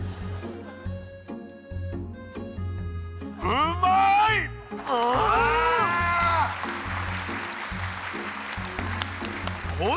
うまいッ！